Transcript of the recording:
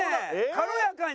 軽やかに。